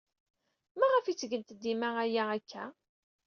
Maɣef ay ttgent dima aya akka?